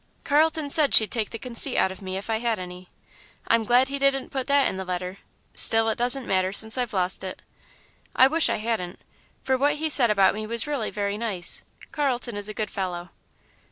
"Carlton said she'd take the conceit out of me, if I had any. I'm glad he didn't put that in the letter, still it doesn't matter, since I've lost it. I wish I hadn't, for what he said about me was really very nice. Carlton is a good fellow.